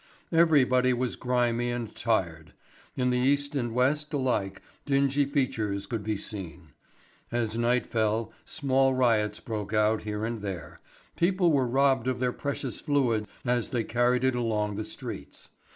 Everybody was grimy and tired; in the East and West alike dingy features could be seen. As night fell small riots broke out here and there, people were robbed of their precious fluid as they carried it along the streets.